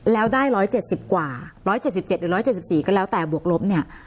แล้วได้ร้อยเจ็ดสิบกว่าร้อยเจ็ดสิบเจ็ดหรือร้อยเจ็ดสิบสี่ก็แล้วแต่บวกลบเนี่ย